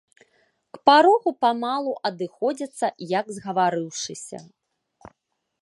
К парогу памалу адыходзяцца, як згаварыўшыся.